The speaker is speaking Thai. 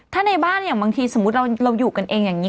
ถ้าในบ้านอย่างบางทีสมมุติเราอยู่กันเองอย่างนี้